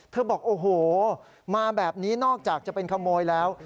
บอกโอ้โหมาแบบนี้นอกจากจะเป็นขโมยแล้ว